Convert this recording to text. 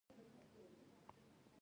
کیوبیک ولایت بریښنا خرڅوي.